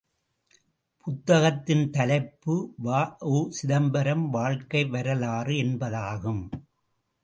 புத்தகத்தின் தலைப்பு வ.உ.சிதம்பரம் வாழ்க்கை வரலாறு என்பதாகும்.